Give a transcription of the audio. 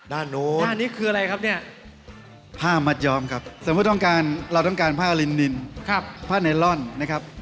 ด้านนู้นห้ามัดยอมครับถ้าถ้าเราต้องการห้าลินนินห้าเนโลนนะครับ